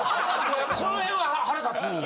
この辺は腹立つんや。